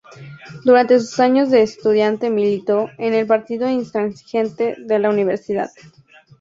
Durante sus años de estudiante militó en el Partido Intransigente de la universidad.